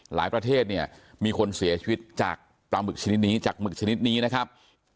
ประเทศเนี่ยมีคนเสียชีวิตจากปลาหมึกชนิดนี้จากหมึกชนิดนี้นะครับ